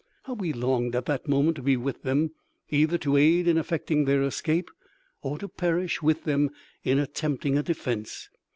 How we longed at that moment to be with them! either to aid in effecting their escape, or to perish with them in attempting a defence.